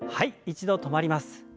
一度止まります。